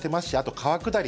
川下り。